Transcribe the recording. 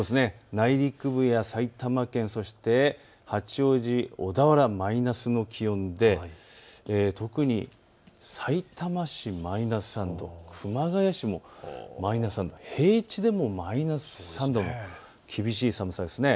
内陸部や埼玉県、そして八王子、小田原、マイナスの気温で特にさいたま市マイナス３度、熊谷市もマイナス３度、平地でもマイナス３度、厳しい寒さですね。